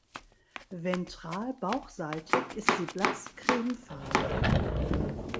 Ventral (bauchseitig) ist sie blass cremefarben.